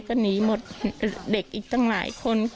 กังฟูเปล่าใหญ่มา